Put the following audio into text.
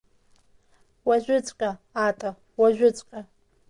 Уажәыҵәҟьа, Ата, уажәыҵәҟьа!